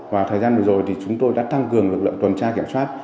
và thời gian vừa rồi thì chúng tôi đã tăng cường lực lượng tuần tra kiểm soát